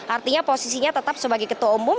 artinya posisinya tetap sebagai ketua umum